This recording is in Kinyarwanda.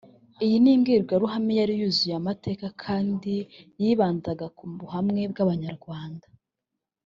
Iyi ni imbwirwaruhame yari yuzuye amateka kandi yibandaga ku bumwe bw’Abanyarwanda